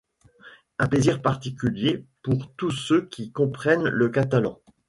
Un plaisir particulier pour tous ceux qui comprennent le catalan.